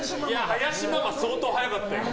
林ママ、相当速かったよ。